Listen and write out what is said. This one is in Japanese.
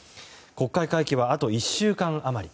国会会期はあと１週間余り。